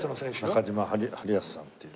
中島治康さんっていう。